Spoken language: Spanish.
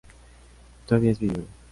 tú habías vivido